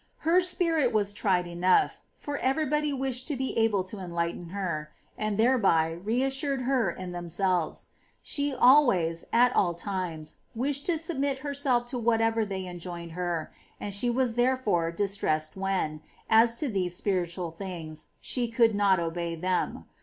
Her spirit was tried enough, for every body wished to be able to enlighten her, and thereby reassured her and themselves. She always, at all times, wished to submit herself to whatever they enjoined her, and she was therefore distressed when, as to these spiritual things, she could not obey them.